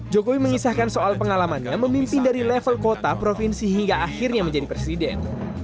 jokowi mengisahkan soal pengalamannya memimpin dari level kota provinsi hingga akhirnya menjadi presiden